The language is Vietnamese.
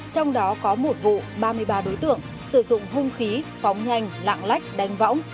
trong đó có một vụ ba mươi ba đối tượng sử dụng hung khí phóng nhanh lạng lách đánh võng